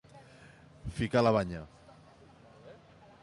Ficar la banya.